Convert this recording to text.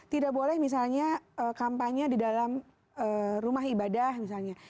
tidak boleh misalnya kampanye di dalam rumah ibadah misalnya